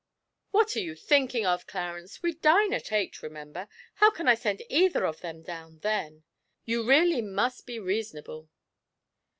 'What are you thinking of, Clarence? We dine at eight, remember; how can I send either of them down then? You really must be reasonable.'